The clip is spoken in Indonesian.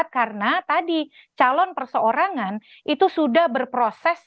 karena tadi calon perseorangan itu sudah berproses